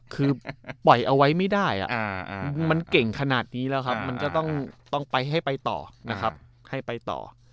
คือปล่อยเอาไว้ไม่ได้มันเก่งขนาดนี้แล้วครับมันก็ต้องไปให้ไปต่อนะครับให้ไปต่อ